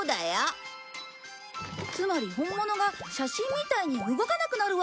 つまり本物が写真みたいに動かなくなるわけか。